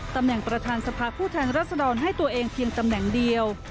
ตำแหน่งประธานสภาผู้แทนรัศดรให้ตัวเองเพียงตำแหน่งเดียว